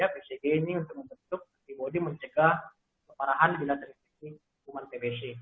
bcg ini untuk membentuk antibody mencegah keparahan bila terjadi hukuman tbc